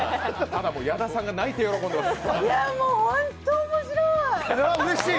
ただ、矢田さんが泣いて喜んでますうれしい！